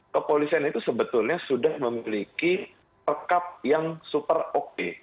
kepolisian itu sebetulnya sudah memiliki perkab yang super oke